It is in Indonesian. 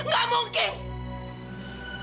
kalo ada jalan lain mas